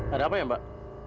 ada apa ya mbak